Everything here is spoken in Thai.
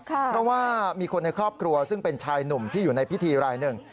เพราะว่ามีคนในครอบครัวซึ่งเป็นชายหนุ่มที่อยู่ในพิธีรายหนึ่ง